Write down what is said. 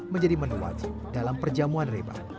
menjadi menu wajib dalam perjamuan reba